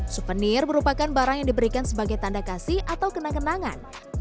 suvenir merupakan barang yang diberikan sebagai tanda kasih atau kenang kenangan